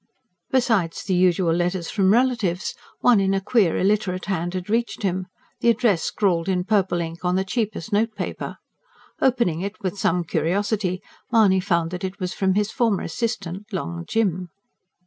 Besides the usual letters from relatives, one in a queer, illiterate hand had reached him, the address scrawled in purple ink on the cheapest note paper. Opening it with some curiosity, Mahony found that it was from his former assistant, Long Jim.